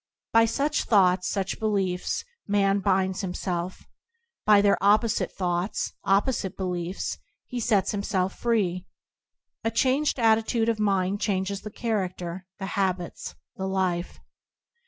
By such thoughts, such beliefs, man binds himself; by their opposite thoughts, opposite beliefs, he sets himself free. A changed attitude of mind changes the char acter, the habits, the life.